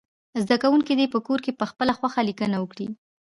زده کوونکي دې په کور کې پخپله خوښه لیکنه وکړي.